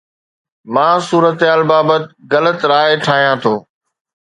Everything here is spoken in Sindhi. مان صورتحال بابت غلط راء ٺاهيان ٿو